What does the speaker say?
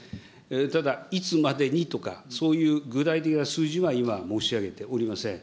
ただ、いつまでにとか、そういう具体的な数字は今は申し上げておりません。